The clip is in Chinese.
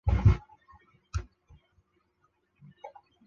圣谢尔达布扎克。